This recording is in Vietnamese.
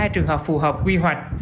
hai mươi hai trường hợp phù hợp quy hoạch